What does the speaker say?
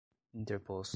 interposto